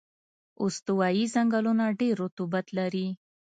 استوایي ځنګلونه ډېر رطوبت لري.